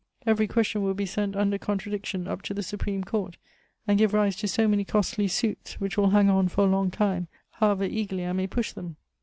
Every question will be sent under contradiction up to the supreme court, and give rise to so many costly suits, which will hang on for a long time, however eagerly I may push them.